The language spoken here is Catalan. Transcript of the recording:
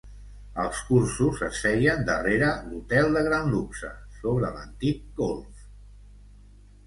Els cursos es feien darrere l'Hotel de Gran Luxe, sobre l'antic Golf.